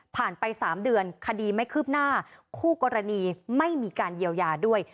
ไป๓เดือนคดีไม่คืบหน้าคู่กรณีไม่มีการเยียวยาด้วย